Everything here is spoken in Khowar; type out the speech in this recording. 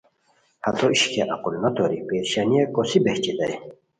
ہتو ہیش کیہ عقل نو توری پریشانیہ کوسی بہچیتائے